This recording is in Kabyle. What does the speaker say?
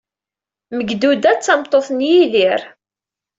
Megduda d tameṭṭut n Yidir.